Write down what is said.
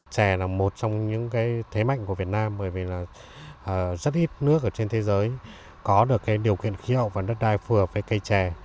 chè là một trong những thế mạnh của việt nam bởi vì rất ít nước trên thế giới có được điều kiện khí hậu và đất đai phù hợp với cây chè